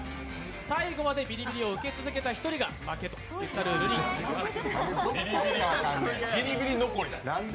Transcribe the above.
最後までビリビリを受け続けた１人が負けといったルールです。